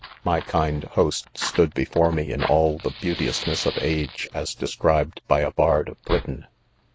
My kind host stood before me 'in all the beaiiteoosness of age as described by a bard of Britain.